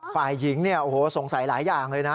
ฝ่ายหญิงเนี่ยโอ้โหสงสัยหลายอย่างเลยนะ